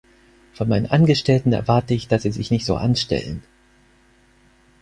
Von meinen Angestellten erwarte ich, dass sie sich nicht so anstellen.